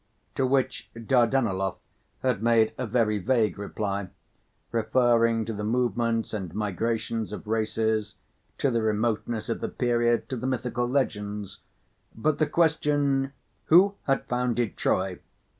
to which Dardanelov had made a very vague reply, referring to the movements and migrations of races, to the remoteness of the period, to the mythical legends. But the question, "Who had founded Troy?"